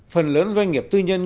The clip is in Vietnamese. phần lớn doanh nghiệp tư nhân